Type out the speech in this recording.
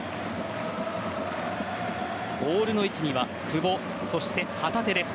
ボールの位置には久保、そして旗手です。